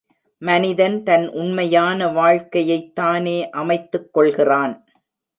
மனிதன் தன் உண்மையான வாழ்க்கையைத் தானே அமைத்துக் கொள்கிறான்.